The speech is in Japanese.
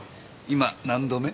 今何度目？